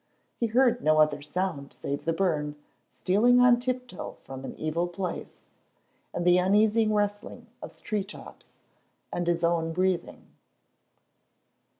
He heard no other sound save the burn stealing on tiptoe from an evil place, and the uneasy rustling of tree tops, and his own breathing.